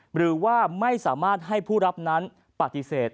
หรือว่าไม่สามารถให้ผู้รับนั้นปฏิเสธ